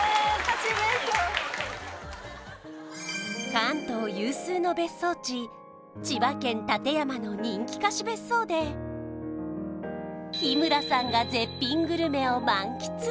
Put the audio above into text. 関東有数の別荘地千葉県館山の人気貸別荘で日村さんがを満喫